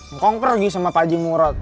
ngkong pergi sama pak haji murut